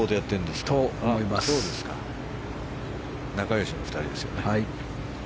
仲良しの２人ですよね。